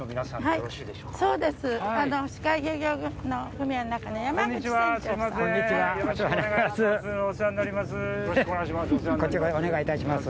よろしくお願いします。